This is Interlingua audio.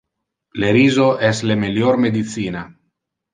Le riso es le melior medicina.